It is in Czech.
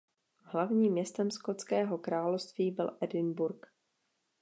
Hlavním městem Skotského království byl Edinburgh.